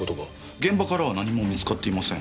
現場からは何も見つかっていません。